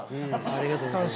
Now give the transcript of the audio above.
ありがとうございます。